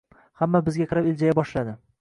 Hamma bizga qarab iljaya boshladi.